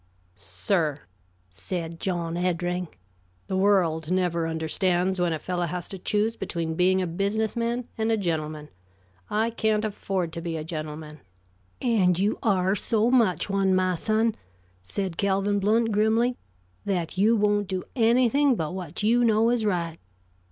"Sir," said John Eddring, "the world never understands when a fellow has to choose between being a business man and a gentleman. I can't afford to be a gentleman " "And you are so much one, my son," said Calvin Blount, grimly, "that you won't do anything but what you know is right.